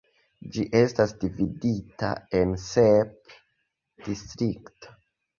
Ĝi estas dividita en sep distriktoj.